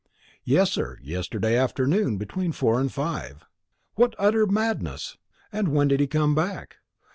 "Yes, sir; yesterday afternoon between four and five." "What utter madness! And when did he come back?"